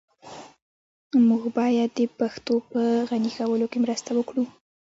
موږ بايد د پښتو په غني کولو کي مرسته وکړو.